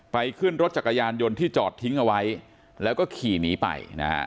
ขึ้นรถจักรยานยนต์ที่จอดทิ้งเอาไว้แล้วก็ขี่หนีไปนะฮะ